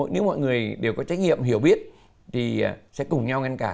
nếu mọi người đều có trách nhiệm hiểu biết thì sẽ cùng nhau ngăn cản